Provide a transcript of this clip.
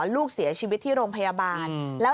ลูกเสียชีวิตที่โรงพยาบาลเธอบ้านแล้ว